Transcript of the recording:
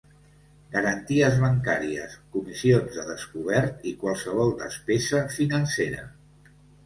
Garanties bancàries, comissions de descobert i qualsevol despesa financera.